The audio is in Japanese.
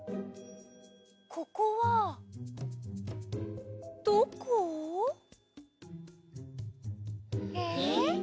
ここはどこ？へ？